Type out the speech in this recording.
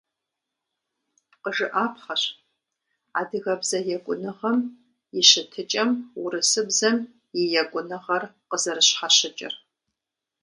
Къыжыӏапхъэщ адыгэбзэ екӏуныгъэм и щытыкӏэм урысыбзэм и екӏуныгъэр къызэрыщхьэщыкӏыр.